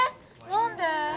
何で？